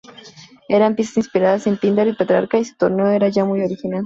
Eran piezas inspiradas en Píndaro y Petrarca y su tono era ya muy original.